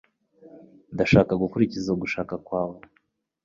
ndashaka gukurikiza ugushaka kwawe